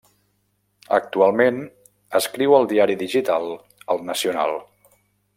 Actualment escriu al diari digital El Nacional.